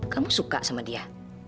kamu suka sama dia